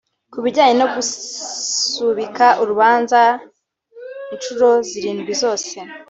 Ku bijyanye no gusubika urubanza inshuro zirindwi zose